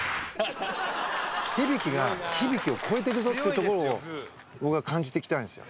響大が響大を超えていくぞというところを僕は感じていきたいんですよ。